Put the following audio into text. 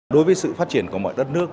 đối với sự phát triển của mọi đất nước